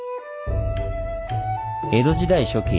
江戸時代初期